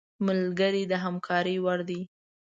ملګری د همکارۍ وړ دی